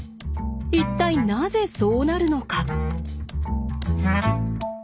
一体なぜそうなるのか。